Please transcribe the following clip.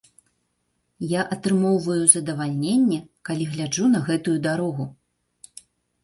Я атрымоўваю задавальненне, калі гляджу на гэтую дарогу!